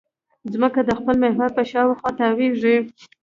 ځمکه د خپل محور په شاوخوا تاوېږي.